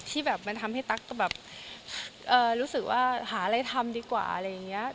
ที่แบบมันทำให้ตั๊กแบบรู้สึกว่าหาอะไรทำดีกว่าอะไรอย่างนี้